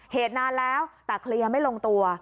เหตุนานแล้วแต่เคลียร์ไม่ลงตัว